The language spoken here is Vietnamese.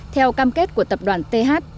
theo cam kết của tập đoàn th